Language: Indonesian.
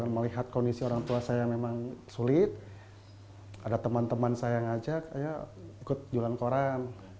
melihat kondisi orang tua saya memang sulit ada teman teman saya yang ngajak ayo ikut jualan koran